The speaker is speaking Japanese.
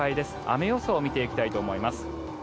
雨予想を見ていきたいと思います。